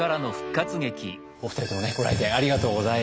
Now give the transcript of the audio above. お二人ともねご来店ありがとうございます。